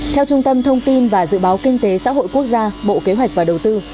theo trung tâm thông tin và dự báo kinh tế xã hội quốc gia bộ kế hoạch và đầu tư